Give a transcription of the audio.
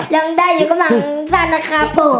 รังไดอยู่กระหว่างฟะนะครับผม